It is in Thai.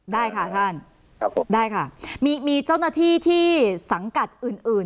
ได้ค่ะท่านครับผมได้ค่ะมีมีเจ้าหน้าที่ที่สังกัดอื่นอื่น